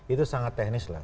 itu sangat teknis lah